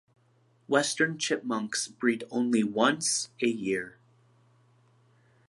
Western chipmunks breed only once a year.